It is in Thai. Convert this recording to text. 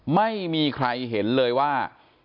ไม่มีใครเห็นเลยว่า